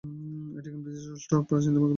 এটি কেমব্রিজের ষষ্ঠ প্রাচীনতম কলেজ।